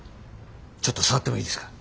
ちょっと触ってもいいですか？